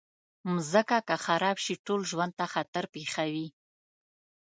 مځکه که خراب شي، ټول ژوند ته خطر پېښوي.